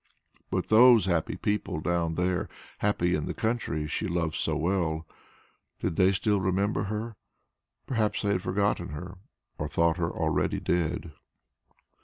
But those happy people down there, happy in the country she loved so well, did they still remember her? Perhaps they had forgotten her or thought her already dead.